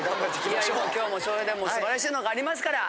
いや今日もそれでも素晴らしいのがありますから。